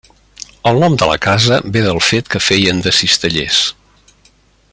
El nom de la casa ve del fet que feien de cistellers.